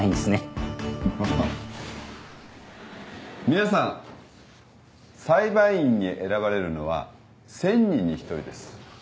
皆さん裁判員に選ばれるのは１，０００人に１人です。